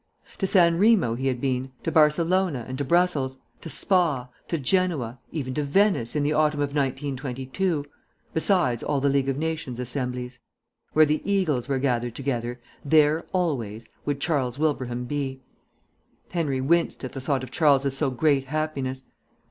To San Remo he had been, to Barcelona and to Brussels; to Spa, to Genoa, even to Venice in the autumn of 1922. Besides all the League of Nations Assemblies. Where the eagles were gathered together, there, always, would Charles Wilbraham be. Henry winced at the thought of Charles's so great happiness.